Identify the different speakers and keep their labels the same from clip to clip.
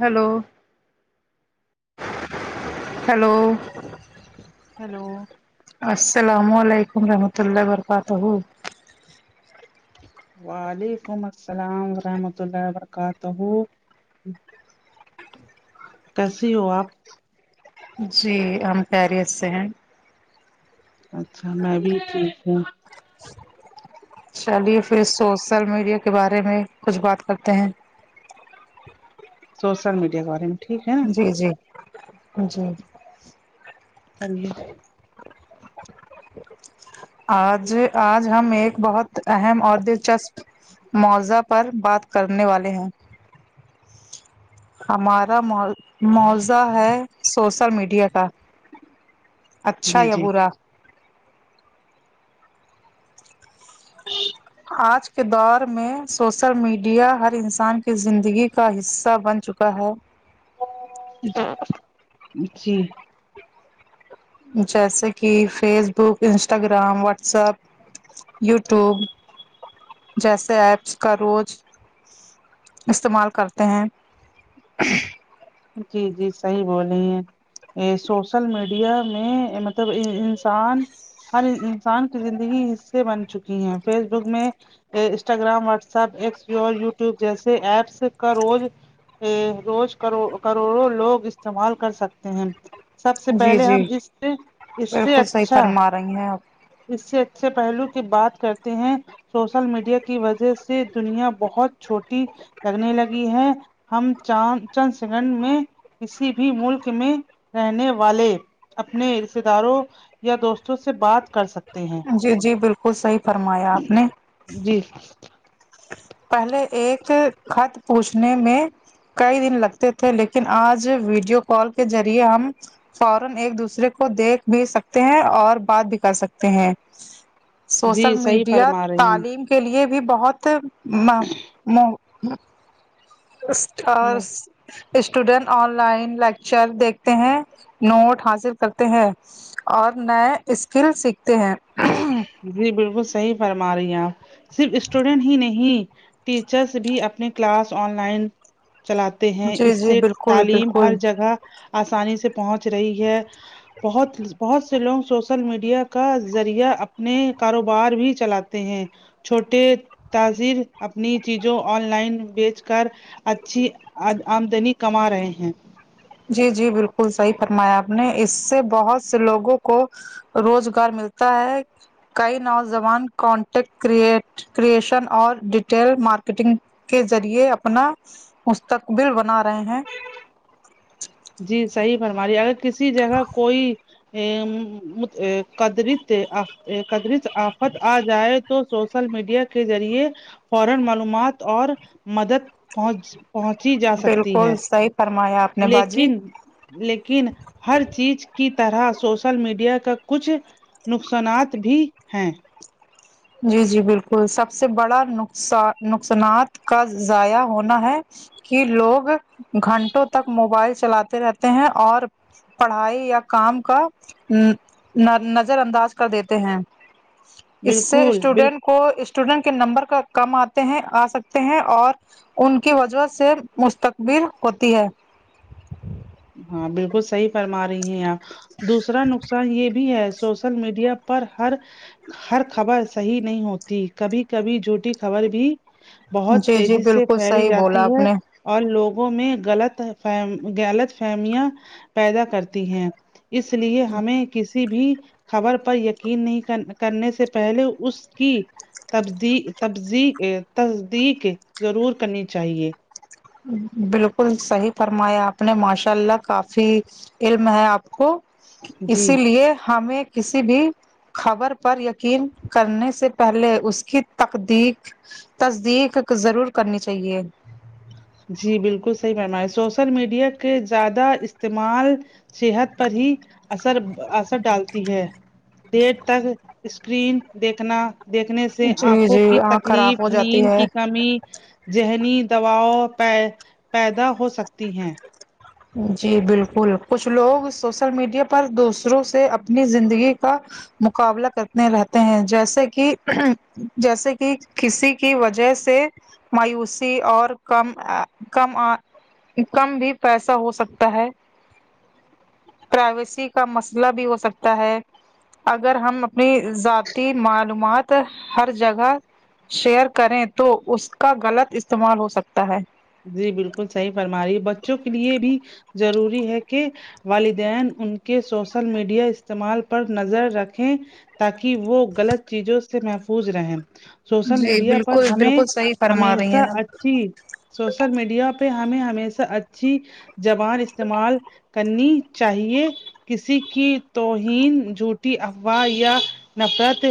Speaker 1: hello hello
Speaker 2: hello
Speaker 1: السلام علیکم رحمۃ اللہ وبرکاتہ
Speaker 2: وعلیکم السلام ورحمۃ اللہ وبرکاتہ کیسی ہو آپ
Speaker 1: جی ہم خیریت سے ہیں
Speaker 2: اچھا میں بھی ٹھیک ہوں
Speaker 1: چلیے پھر سوشل میڈیا کے بارے میں کچھ بات کرتے ہیں
Speaker 2: سوشل میڈیا کے بارے میں ٹھیک ہے
Speaker 1: جی
Speaker 2: نا
Speaker 1: جی جی
Speaker 2: ہاں جی
Speaker 1: آج آج ہم ایک بہت اہم اور دلچسپ معوضہ پر بات کرنے والے ہیں ہمارا معا معاضہ ہے سوشل میڈیا کا اچھا یا
Speaker 2: جی
Speaker 1: برا
Speaker 2: ج
Speaker 1: آج کے دور میں سوسل میڈیا ہر انسان کی زندگی کا حصہ بن چکا ہے
Speaker 2: جی
Speaker 1: جیسے کہ Facebook Instagram WhatsApp YouTube جیسے ایپس کا روز استعمال کرتے ہیں
Speaker 2: جی جی صحیح بولی ہیں ا سوشل میڈیا میں مطلب انسان ہر انسان کی زندگی اس سے بن چکی ہے فیس بک میں ا انسٹاگررام واٹسپ یٹیوب جیسے ایپس کا روز ا روز کرو کروڑوں لوگ استعمال کر سکتے ہیں سب سے
Speaker 1: جی
Speaker 2: پہلے ہم
Speaker 1: جی
Speaker 2: اس سے اس سے
Speaker 1: بالکل صحیح
Speaker 2: اچھا
Speaker 1: فرما رہی ہیں آپ
Speaker 2: اس سے اچھے پہلو کی بات کرتے ہیں سوشل میڈیا کی وجہ سے دنیا بہت چھوٹی لگنے لگی ہے ہم چان چند سیکنڈ میں کسی بھی ملک میں رہنے والے اپنے رشتے داروں یا دوستوں سے بات کر سکتے ہیں
Speaker 1: جی جی بالکل صحیح فرمایا آپ نے
Speaker 2: جی
Speaker 1: پہلے ایک خط پوچھنے میں کئی دن لگتے تھے لیکن آج ویڈیو کال کے ذریعے ہم فورن ایک دوسرے کو دیکھ بھی سکتے ہیں اور بات بھی کر سکتے ہیں سوسل
Speaker 2: جی صحیح
Speaker 1: میڈیا
Speaker 2: فرما رہی ہیں
Speaker 1: تعلیم کے لیے بھی بہت ما مو اور
Speaker 2: ہ
Speaker 1: اسٹوڈینٹ آن لائن لیکچر دیکھتے ہیں نوٹ حاصل کرتے ہیں اور نئے اسکل سیکھتے ہیں
Speaker 2: جی بالکل صحیح فرما رہی ہیں آپ صرف اسٹوڈنٹ ہی نہیں ٹیچرس بھی اپنی کلاس آن لائن چلاتے تے ہیں
Speaker 1: جی
Speaker 2: اس
Speaker 1: جی
Speaker 2: سے
Speaker 1: بالکل
Speaker 2: تعلیم
Speaker 1: بالکل
Speaker 2: ہر جگہ آسانی سے پہنچ رہی ہے بہت بہت سے لوگ سوشل میڈیا کا ذریعہ اپنے کاروبار بھی چلاتے ہیں چھوٹے تازر اپنی چیزوں آن لائن بیچ کر اچھی آمدنی کما رہے ہیں
Speaker 1: جی جی بالکل صحیح فرمایا آپ نے اس سے بہت سے لوگوں کو روزگار ملتا ہے کئی نوجوان کانٹیکٹ کریئٹ کریشن اور ڈیٹیل مارکیٹنگ کے ذریعے اپنا مستقبل بنا رہے ہیں
Speaker 2: جی صحیح فرماری اگر کسی جگہ کوئی ام قدرت قدرت آفت آ جائے تو سوشل میڈیا کے ذریعے فورن معلومات اور مدد پہنچ پہنچی جا سکتی
Speaker 1: بالکل
Speaker 2: ہے
Speaker 1: صحیح فرمایا آپ نے
Speaker 2: لیک
Speaker 1: باجی
Speaker 2: لیکن ہر چیز کی طرح سوشل میڈیا کا کچھ نقصانات بھی ہیں
Speaker 1: جی جی بالکل سب سے بڑا نقصان نقصانات کا ضائع ہونا ہے کہ لوگ گھنٹوں تک موبائل چلاتے رہتے ہیں اور پڑھائی یا کام کا ن ن نظر انداز کر دیتے ہیں اس سے
Speaker 2: بالکل بال
Speaker 1: اسٹوڈینٹ کو اسٹوڈینٹ کے نمبر کا کم آتے ہیں آ سکتے ہیں اور ان کی وجہ سے مستقبل ہوتی ہے
Speaker 2: ہاں بالکل صحیح فرما رہی ہیں آپ دوسرا نقصان یہ بھی ہے سوشل میڈیا پر ہر ہر خبر صحیح نہیں ہوتی کبھی کبھی جھوٹی خبر بھی بہت
Speaker 1: جی جی
Speaker 2: تیزی سے
Speaker 1: بالکل
Speaker 2: پھیلی
Speaker 1: صحیح بولا
Speaker 2: جاتی
Speaker 1: آپ
Speaker 2: ہے
Speaker 1: نے
Speaker 2: اور لوگوں میں غلط فم غلط فہمیاں پیدا کرتی ہیں اس لیے ہمیں کسی بھی خبر پر یقین نہیں کرنے سے پہلے اس کی تیبی تبذی ا تصدیق ضرور کرنی چاہیے
Speaker 1: بالکل صحیح فرمایا آپ نے ماشاء اللہ کافی علم ہے آپ کو
Speaker 2: جی
Speaker 1: اسی لیے ہمیں کسی بھی خبر پر یقین کرنے سے پہلے اس کی تقدیق تصدیق ضرور کرنی چاہیے
Speaker 2: جی بالکل صحیح فرمایا سوشل میڈیا کے زیادہ استعمال صحت پر ہی اثر اثر ڈالتی ہے دیر تک اسکرین دیکھنا دیکھنے سے سے
Speaker 1: جی
Speaker 2: آنکھوں
Speaker 1: جی
Speaker 2: کی
Speaker 1: آنکھ
Speaker 2: تکلیف
Speaker 1: خراب ہو جاتی
Speaker 2: نیند
Speaker 1: ہے
Speaker 2: کی کمی ذہنی دواؤ پ پیدا ہو سکتی ہیں
Speaker 1: جی بالکل کچھ لوگ سوشل میڈیا پر دوسروں سے اپنی زندگی کا مقابلہ کرتے رہتے ہیں جیسے کہ جیسے کہ کسی کی وجہ سے مایوسی اور کم کم کم بھی پیسا ہو سکتا ہے پرائیویسی کا مسئلہ بھی ہو سکتا ہے اگر ہم اپنی ذاتی معلومات ہر جگہ شیئر کریں تو اس کا غلط استعمال ہو سکتا ہے
Speaker 2: جی بالکل صحیح فرما رہی ہے بچوں کے لیے بھی ضروری ہے کہ والدین ان کے سوشل میڈیا استعمال پر نظر رکھیں تاکہ وہ غلط چیزوں سے محفوظ رہے سوشل
Speaker 1: جی
Speaker 2: میڈیا پر
Speaker 1: بالکل
Speaker 2: ہمیں
Speaker 1: بالکل صحیح فرما رہی ہیں
Speaker 2: ہمیشہ
Speaker 1: آپ
Speaker 2: اچھی سوشل میڈیا پہ ہمیں ہمیشہ اچھی زبان استعمال کرنی چاہیے کسی کی توہین جھوٹی افواہ یا نفرت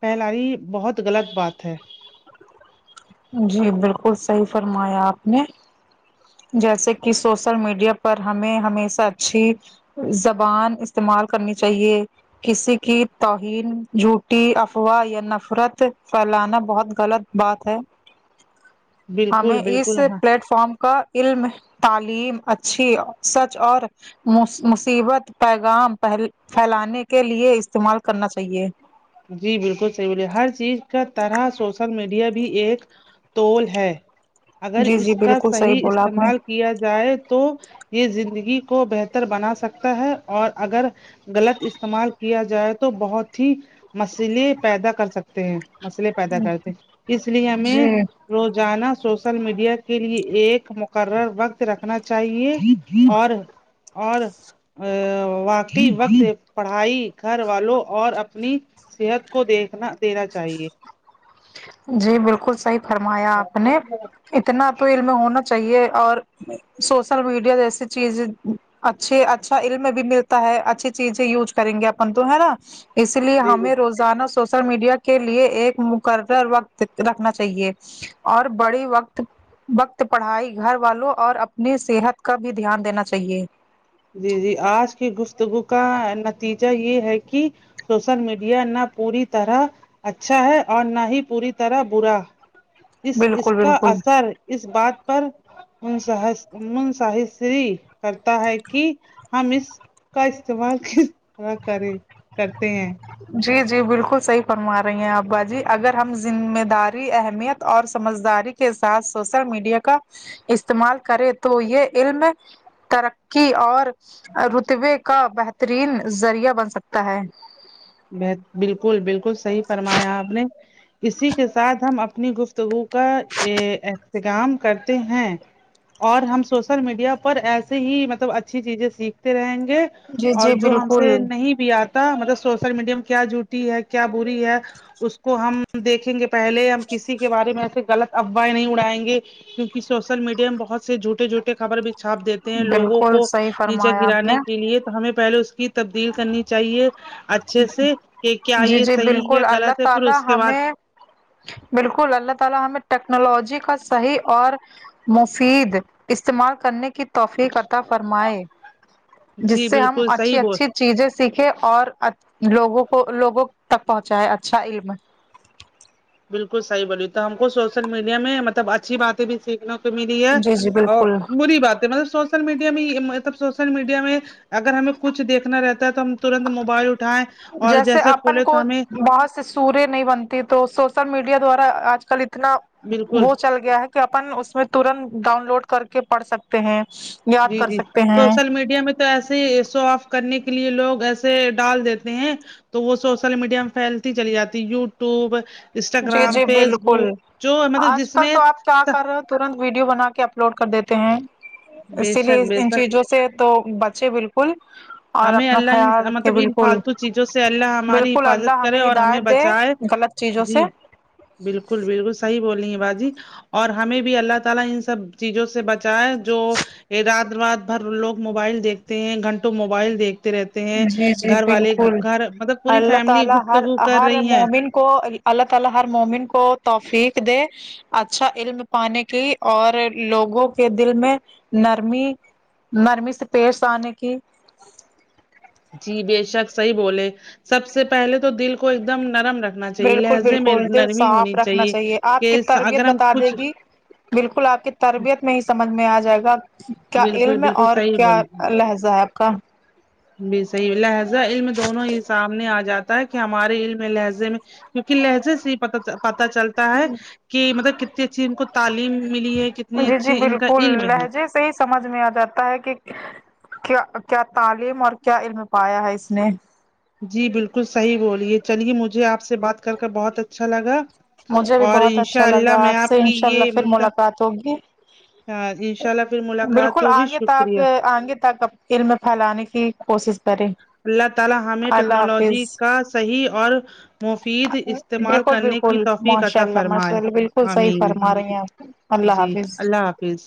Speaker 2: پہلااری بہت غلط بات ہے
Speaker 1: جی بالکل صحیح فرمایا آپ نے جیسے کہ سوشل میڈیا پر ہمیں ہمیشہ اچھی زبان استعمال کرنی چاہیے کسی کی توہین جھوٹی افواہ یا نفرت پھیلانا بہت غلط بات ہے ہمیں
Speaker 2: بالکل
Speaker 1: اس
Speaker 2: بالکل ہاں
Speaker 1: پلیٹ فارم کا علم تعلیم اچھی سچ اور مصیبت پیغام پل پھیلانے کے لیے استعمال کرنا چاہیے
Speaker 2: جی بالکل صحیح بولے ہر چیز کا طرح سوشل میڈیا بھی ایک توول ہے اگر
Speaker 1: جی جی
Speaker 2: اس کا
Speaker 1: بالکل
Speaker 2: صحیح
Speaker 1: بولا آپ نے
Speaker 2: استعمال کیا جائے تو یہ زندگی کو بہتر بنا سکتا ہے اور اگر غلط استعمال کیا جائے تو بہت ہی مسئلے پیدا کر سکتے ہیں مسئلے پیدا کرتے اس لیے ہمیں
Speaker 1: جی
Speaker 2: روزانہ سوشل میڈیا کے لیے ایک مقرر وقت رکھنا چاہیے اور اور ا واقعی وقت پڑھائی گھر والوں اور اپنی صحت کو دیکھنا دینا چاہیے
Speaker 1: جی بالکل صحیح فرمایا آپ نے اتنا تو علم ہونا چاہیے اور سوشل میڈیا جیسی چیز اچھے اچھا علم بھی ملتا ہے اچھی چیزیں یوز کریں گے اپن تو ہے نا اس لیے
Speaker 2: جی جی
Speaker 1: ہمیں روزانہ سوشل میڈیا کے لیے ایک مقر وقت رکھنا چاہیے اور بڑے وقت وقت پڑھائی گھر والوں اور اپنی صحت کا بھی دھیان دینا چاہیے
Speaker 2: جی جی آج کی گفتگو کا نتیجہ یہ ہے کہ سوشل میڈیا نہ پوری طرح اچھا ہے اور نہ ہی پوری طرح برا اس اس
Speaker 1: بالکل
Speaker 2: کا
Speaker 1: بالکل
Speaker 2: اثر اس بات پر من منصحسری کرتا ہے کہ ہم اس کا استعمال کس طرح کرے کرتے ہیں
Speaker 1: جی جی بالکل صحیح فرما رہی ہیں آپ باجی اگر ہم ذمہ داری اہمیت اور سمجھداری کے ساتھ سوشل میڈیا کا استعمال کرے تو یہ علم ترقی اور رتبے کا بہترین ذریعہ بن سکتا ہے
Speaker 2: ب بالکل بالکل صحیح فرمایا آپ نے اسی کے ساتھ ہم اپنی گفتگو کا احتظام کرتے ہیں اور ہم سوشل میڈیا پر ایسے ہی مطلب اچھی چیزیں سیکھتے رہیں گے
Speaker 1: جی
Speaker 2: اور
Speaker 1: جی
Speaker 2: جو ہم
Speaker 1: بالکل
Speaker 2: سے نہیں بھی آتا مطلب سوشل میڈیا میں کیا جوٹی ہے کیا بری ہے اس کو ہم دیکھیں گے پہلے ہم کسی کے بارے میں ایسے غلط افواہیں نہیں اڑائیں گے کیونک سوشل میڈیا میں بہت سےھٹے جھوٹ خبر بھی چھاپ دیتے ہیں لوگوں
Speaker 1: بالکل
Speaker 2: کو
Speaker 1: صحیح
Speaker 2: نیچے
Speaker 1: فرمایا آپ
Speaker 2: گرانے
Speaker 1: نے
Speaker 2: کے لیے ہمیں پہلے اس کی تبدیل کرنی چاہیے اچھے سے کہ کیا
Speaker 1: جی
Speaker 2: یہ
Speaker 1: جی
Speaker 2: صحیح ہے
Speaker 1: بالکل
Speaker 2: غلط
Speaker 1: اللہ
Speaker 2: ہے پھر
Speaker 1: تعالی
Speaker 2: اس کے بعد
Speaker 1: ہمیں بالکل اللہ تعالی ہمیں ٹیکنالوجی کا صحیح اور مفید استعمال کرنے کی توفیق عطا فرمائے جس
Speaker 2: جی
Speaker 1: سے ہم
Speaker 2: بالکل صحیح
Speaker 1: اچھی
Speaker 2: بول
Speaker 1: اچھی چیزیں سیکھے اور لوگوں کو لوگوں تک پہنچائے اچھا علم
Speaker 2: بالکل صحیح بولی تو ہم کو سوشل میڈیا میں مطلب اچھی باتیں بھی سیکھنا ملی ہے
Speaker 1: جی جی
Speaker 2: اور
Speaker 1: بالکل
Speaker 2: بری بات ہے مطلب سوچ سل میڈیا میں مطلب سوشل میڈیا میں اگر ہمیں کچھ دیکنا رہتا ہے تو ہم ترنت موبائل اٹھائیں اور
Speaker 1: جیسے اپن
Speaker 2: کھولے
Speaker 1: کو
Speaker 2: تو ہمیں
Speaker 1: بہت سے سوریہ نہیں بنتی تو سوشل میڈیا دوارا آج کل اتنا
Speaker 2: بالکل
Speaker 1: وہ چل گیا ہے کہ اپن اس میں ترنت ڈاؤن لوڈ کر کے پڑھ سکتے ہیں یاد
Speaker 2: جی
Speaker 1: کر
Speaker 2: جی
Speaker 1: سکتے ہیں
Speaker 2: سوشل میڈیا میں تو ایسے ہی سو آف کرنے کے لیے لوگ ایسے ڈال دیتے ہیں تو وہ سوشل میڈیا میں پھیلتی چلی جاتی یوٹیوب
Speaker 1: جی
Speaker 2: انسٹاگررام
Speaker 1: جی
Speaker 2: فیس
Speaker 1: بالکل
Speaker 2: بک جو مطلب
Speaker 1: آج
Speaker 2: جس
Speaker 1: کل
Speaker 2: میں
Speaker 1: تو آپ کیا کر رہے ہو ترنت ویڈیو بنا کے اپلوڈ کر دیتے ہیں
Speaker 2: بے
Speaker 1: اسی لیے
Speaker 2: شک بے
Speaker 1: ان
Speaker 2: شک
Speaker 1: چیزوں سے تو بچے بالکل اور
Speaker 2: ہمیں
Speaker 1: اپنا
Speaker 2: اللہ ان
Speaker 1: خیال رکھے
Speaker 2: مطلب ان
Speaker 1: بالکل
Speaker 2: فالتو چیزوں سے اللہ ہماری
Speaker 1: بالکل اللہ
Speaker 2: حفاظت
Speaker 1: ہمیں
Speaker 2: کرے اور
Speaker 1: ہدایت دے
Speaker 2: بچائے
Speaker 1: غلط چیزوں سے
Speaker 2: جی بالکل بالکل صحیح بول رہی ہیں باجی اور ہمیں بھی اللہ تعالی ان سب چیزوں سے بچ جو رات رات بھر لوگ موبائل دیکھتے ہیں گھنٹوں موبائل دیکھتے رہتے ہیں
Speaker 1: جی جی
Speaker 2: گھر والے
Speaker 1: بالکل
Speaker 2: گھر مطلب پوری
Speaker 1: اللہ
Speaker 2: فیملی
Speaker 1: تعالی ہر
Speaker 2: گفتگو کر
Speaker 1: ہر
Speaker 2: رہی ہیں
Speaker 1: مومن کو اللہ تعالی ہر مومن کو توفیق دے اچھا علم پانے کی اور لوگوں کے دل میں نرمی نرمی سے پیش آنے کی
Speaker 2: جی بے شک صحیح بولے سب سے پہلے تو دل کو ایک دم نرم رکھ
Speaker 1: بالکل بالکل دل صاف رکھنا چاہیے آپ کی
Speaker 2: کہ
Speaker 1: تربیت
Speaker 2: اگر ہم
Speaker 1: بتا دے
Speaker 2: کچھ
Speaker 1: گی بالکل آپ کی تربیت نہیں سمجھ میں آ جائے گا کیا
Speaker 2: بالکل
Speaker 1: علم ہے
Speaker 2: بالکل
Speaker 1: اور
Speaker 2: صحیح
Speaker 1: کیا
Speaker 2: بول
Speaker 1: لہزہ ہے آپ کا
Speaker 2: بھی صحی ہے لہزہ علم دونوں یہ سامنے آ جاتا ہے کہ ہمارے علم میں لہزے میں کیونکہ لہجے سے یہ پ پتا چلتا ہے کہ مطلب کتتی اچھی ان کو تعلیم ملی ہے کتنی
Speaker 1: جی جی
Speaker 2: اچھی ان کا
Speaker 1: بالکل
Speaker 2: علم ہے
Speaker 1: لہجے سے ہی سمجھ میں آ جاتا ہے کہ کیا کیا تعلیم اور کیا علم پایا ہے اس نے
Speaker 2: جی بالکل صحیح رولئے چلیے مجھے آپ سے بات کر کر بہت اچھا لگا
Speaker 1: مجھے بھی
Speaker 2: اور
Speaker 1: بہت اچھا
Speaker 2: انشاء
Speaker 1: لگا
Speaker 2: اللہ میں
Speaker 1: آپ سے
Speaker 2: کی
Speaker 1: انشاء
Speaker 2: یہ
Speaker 1: اللہ پھر
Speaker 2: مطلب
Speaker 1: ملاقات ہوگی
Speaker 2: انشاء اللہ پھر ملاقات
Speaker 1: بالکل
Speaker 2: ہوگی
Speaker 1: آگے تک
Speaker 2: شکریہ
Speaker 1: آگے تک علم پھیلانے کی کوشش کریں
Speaker 2: اللہ تعالی ہمیں
Speaker 1: اللہ حافظ
Speaker 2: ٹیکنالوجی کا صحیح اور مفید استعمال
Speaker 1: بالکل
Speaker 2: کرنے کی
Speaker 1: بالکل
Speaker 2: توفیق
Speaker 1: ماشاء
Speaker 2: عطا
Speaker 1: اللہ ماشاء
Speaker 2: فرمائے
Speaker 1: اللہ بالکل صحیح
Speaker 2: امین
Speaker 1: فرما رہی ہیں آپ اللہ
Speaker 2: جی
Speaker 1: حافظ
Speaker 2: اللہ حافظ